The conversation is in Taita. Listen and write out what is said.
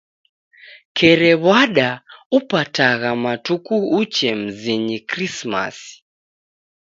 Kerew'ada upatagha matuku uche mzinyi Krisimasi.